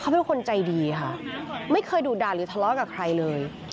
เขาเป็นคนใจดีค่ะไม่เคยดุด่าหรือทะเลาะกับใครเลย